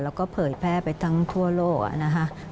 แล้วก็เผยแพร่ไปทั้งทั่วโลกนะคะ